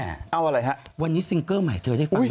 เอาอะไรครับวันนี้ซิงเกอร์ใหม่เธอได้ฟังเรื่อง